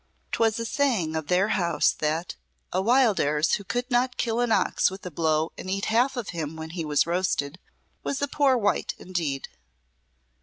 'Twas a saying of their house that "a Wildairs who could not kill an ox with a blow and eat half of him when he was roasted, was a poor wight indeed."